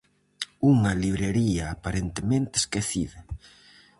Unha librería aparentemente esquecida.